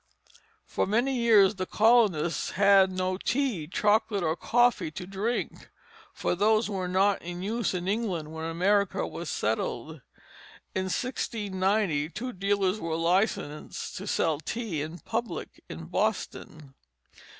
For many years the colonists had no tea, chocolate, or coffee to drink; for those were not in use in England when America was settled. In 1690 two dealers were licensed to sell tea "in publique" in Boston.